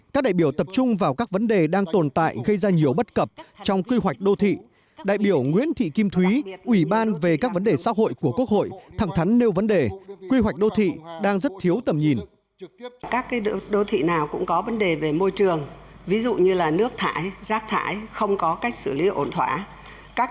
chủ tịch quốc hội nguyễn thị kim ngân chủ trì phiên họp